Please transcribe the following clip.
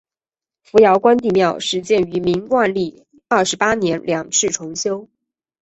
扶摇关帝庙始建于明万历二十八年两次重修。